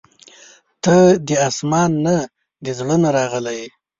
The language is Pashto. • ته د اسمان نه، د زړه نه راغلې یې.